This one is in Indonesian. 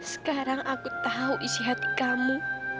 sekarang aku tahu isi hati kamu